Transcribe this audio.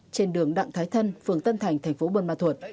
trên đường đặng thái thân phường tân thành thành phố bùi ma thuật